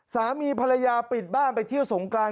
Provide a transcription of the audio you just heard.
สามีภรรยาปิดบ้านไปเที่ยวสงกราน